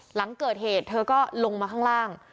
หลังเกิดเหตุเธอก็ลงมาข้างล่าง